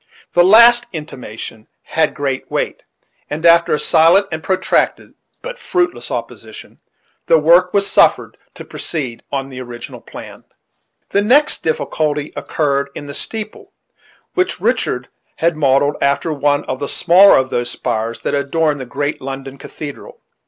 This last intimation had great weight, and after a silent and protracted, but fruitless opposition, the work was suffered to proceed on the original plan. The next difficulty occurred in the steeple, which Richard had modelled after one of the smaller of those spires that adorn the great London cathedral.